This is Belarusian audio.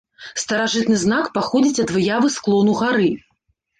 Старажытны знак паходзіць ад выявы склону гары.